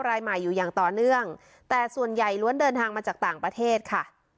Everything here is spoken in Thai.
รายใหม่อยู่อย่างต่อเนื่องแต่ส่วนใหญ่ล้วนเดินทางมาจากต่างประเทศค่ะ